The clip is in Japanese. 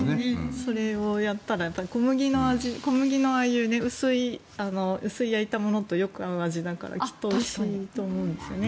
それをやったら小麦のああいう薄い焼いたものとよく合う味だからきっとおいしいと思うんですよね。